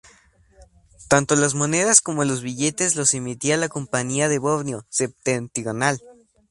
Tanto las monedas como los billetes los emitía la Compañía de Borneo Septentrional.